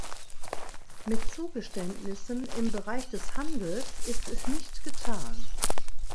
Mit Zugeständnissen im Bereich des Handels ist es nicht getan.